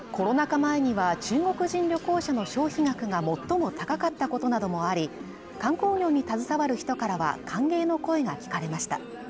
前には中国人旅行者の消費額が最も高かったことなどもあり観光業に携わる人からは歓迎の声が聞かれました